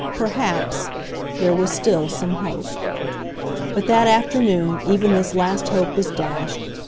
Perhaps ... there was still some hope. But that afternoon even this last hope was dashed.